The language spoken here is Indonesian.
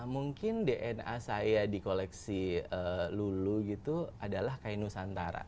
mungkin dna saya di koleksi lulu gitu adalah kain nusantara